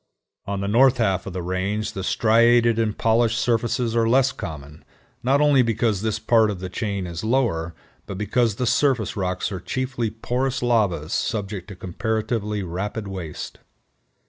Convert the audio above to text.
On the north half of the range the striated and polished surfaces are less common, not only because this part of the chain is lower, but because the surface rocks are chiefly porous lavas subject to comparatively rapid waste.